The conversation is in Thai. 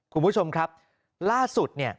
คุณผู้ชมครับล่าสุด